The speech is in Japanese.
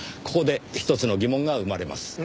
ここで１つの疑問が生まれます。